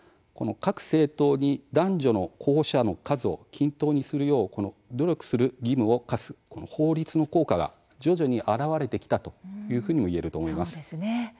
各政党に男女の候補者の数を均等にするよう努力する義務を課す法律の効果が徐々に表れてきたというふうにもいえると思います。